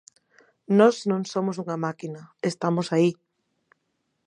Nós non somos unha máquina, estamos aí.